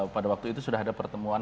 pada waktu itu sudah ada pertemuan